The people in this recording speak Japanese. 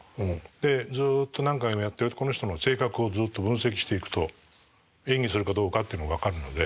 でずっと何回もやってこの人の性格をずっと分析していくと演技するかどうかってのが分かるので。